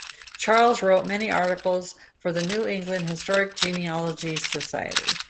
Charles wrote many articles for the New England Historic Genealogy Society.